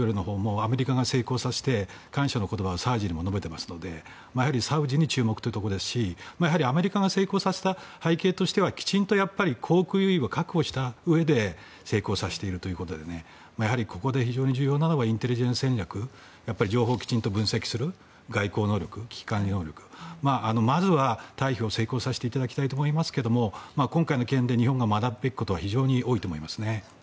アメリカが成功させて感謝の言葉をサウジにも述べていますのでサウジに注目というところですしアメリカが成功させた背景にはきちんと空路を確保したうえで成功させているということでここで非常に重要なのはインテリジェンス戦略情報をきちんと分析する外交能力、危機管理能力まずは退避を成功させていただきたいと思いますが今回の件で日本が学ぶべきことは非常に多いと思います。